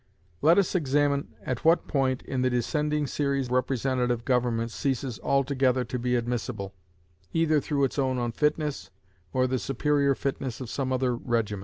Let us examine at what point in the descending series representative government ceases altogether to be admissible, either through its own unfitness or the superior fitness of some other regimen.